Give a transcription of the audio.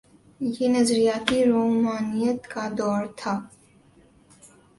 یہ نظریاتی رومانویت کا دور تھا۔